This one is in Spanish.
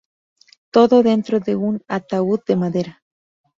Todo dentro de un ataúd de madera.